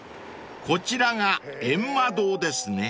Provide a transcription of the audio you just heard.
［こちらがゑんま堂ですね］